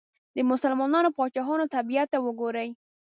د مسلمانو پاچاهانو طبیعت ته وګورئ.